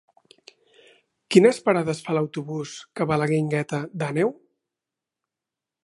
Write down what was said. Quines parades fa l'autobús que va a la Guingueta d'Àneu?